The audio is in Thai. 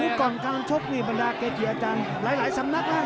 คือก่อนการชกนี่บรรดาเกจิอาจารย์หลายสำนักนะ